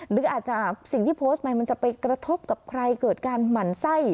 หรืออาจจะสิ่งที่โพสต์ไปมันจะไปกระทบกับใครเกิดการหมั่นไส้